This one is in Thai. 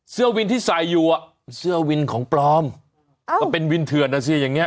เสื้อวินที่ใส่อยู่อ่ะเสื้อวินของปลอมก็เป็นวินเถื่อนนะสิอย่างเง